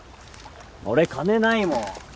俺金ないもん。